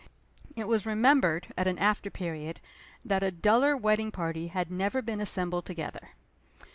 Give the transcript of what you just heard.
It was remembered, at an after period, that a duller wedding party had never been assembled together.